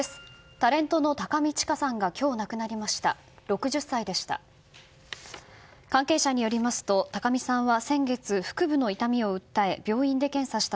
タレントの高見知佳さんが今日亡くなりました。